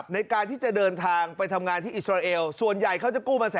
ในการที่จะเดินทางไปทำงานที่อิสราเอลส่วนใหญ่เขาจะกู้มา